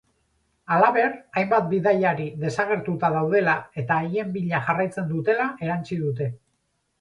Halaber, hainbat bidaiari desagertuta daudela eta haien bila jarraitzen dutela erantsi dute.